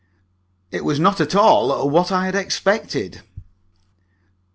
It was not at all what I had expected.